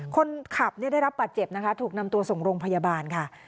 คนขับได้รับบาดเจ็บนะคะถูกนำตัวส่งโรงพยาบาลค่ะ